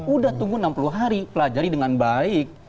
udah tunggu enam puluh hari pelajari dengan baik